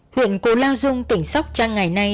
huyện cổ lao dung tỉnh sóc trang ngày nay